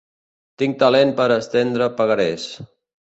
Tinc talent per estendre pagarés.